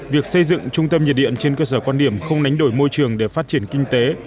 việc xây dựng trung tâm nhiệt điện trên cơ sở quan điểm không đánh đổi môi trường để phát triển kinh tế